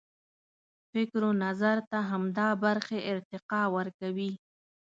فکر و نظر ته همدا برخې ارتقا ورکوي.